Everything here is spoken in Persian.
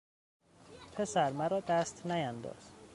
پسر مرا دست نیانداز!